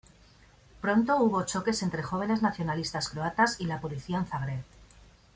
Pronto hubo choques entre jóvenes nacionalistas croatas y la policía en Zagreb.